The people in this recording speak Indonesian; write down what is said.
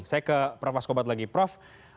saya ke prof askobat lagi prof